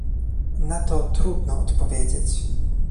— Na to trudno odpowiedzieć.